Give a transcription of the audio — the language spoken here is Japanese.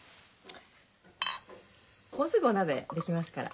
もうすぐお鍋出来ますから。